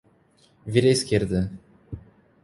Vire à esquerda.